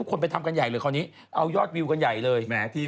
กรราดีอย่างนี้เลยเหรอโบ๊นดำ